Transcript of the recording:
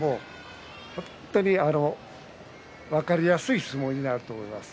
本当に分かりやすい相撲になると思います。